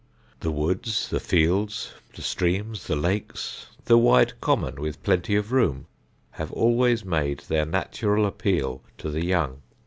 The woods, the fields, the streams, the lakes, the wide common with plenty of room, have always made their natural appeal to the young.